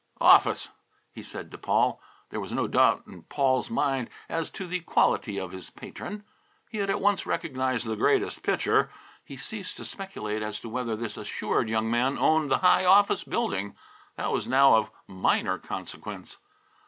"Office!" he said to Paul. There was no doubt in Paul's mind as to the quality of his patron. He had at once recognized the Greatest Pitcher. He ceased to speculate as to whether this assured young man owned the high office building. That was now of minor consequence.